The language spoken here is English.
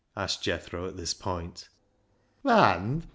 asked Jethro at this point. " Band